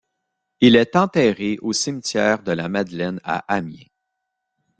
Il est enterré au cimetière de la Madeleine à Amiens.